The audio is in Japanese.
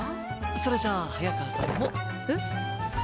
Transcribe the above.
それじゃあ早川さんも。えっ？